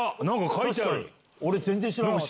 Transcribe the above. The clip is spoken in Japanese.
俺、全然知らなかった。